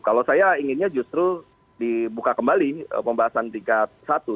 kalau saya inginnya justru dibuka kembali pembahasan tingkat satu